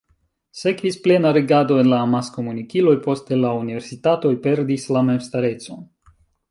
Sekvis plena regado en la amaskomunikiloj, poste la universitatoj perdis la memstarecon.